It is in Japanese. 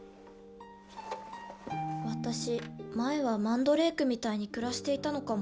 私前はマンドレークみたいに暮らしていたのかも。